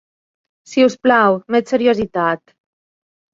Si us plau, més seriositat.